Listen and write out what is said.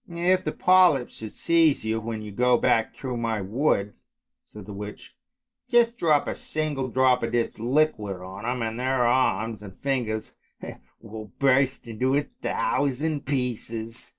" If the polyps should seize you, when you go back through my wood," said the witch, " just drop a single drop of this liquid on them, and their arms and lingers will burst into a thousand pieces."